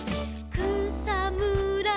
「くさむら